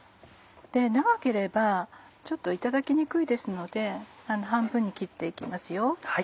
長ければちょっといただきにくいですので半分に切って行きますよ。